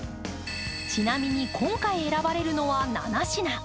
ちなみに今回選ばれるのは７品。